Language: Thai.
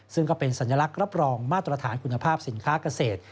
ซึ่งก็เป็นสัญลักษณ์รับรองมาตรฐานคุณภาพสินค้าเกษตร